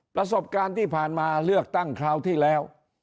ประสบการณ์ที่ผ่านมาเลือกตั้งคราวที่แล้ว